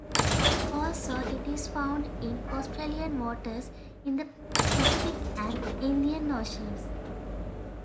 Also, it is found in Australian waters, in the Pacific and Indian Oceans.